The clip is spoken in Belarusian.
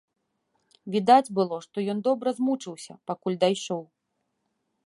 Відаць было, што ён добра змучыўся, пакуль дайшоў.